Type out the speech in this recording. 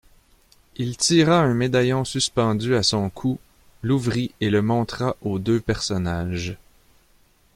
Il tira un médaillon suspendu à son cou, l'ouvrit et le montra aux deux personnages.